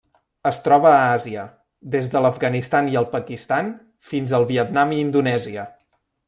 Es troba a Àsia: des de l'Afganistan i el Pakistan fins al Vietnam i Indonèsia.